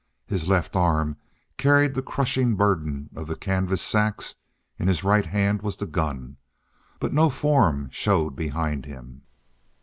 His left arm carried the crushing burden of the canvas sacks in his right hand was the gun but no form showed behind him.